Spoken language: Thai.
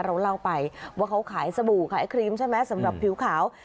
เราเล่าไปว่าเขาขายสบู่ขายครีมใช่ไหมสำหรับผิวขาว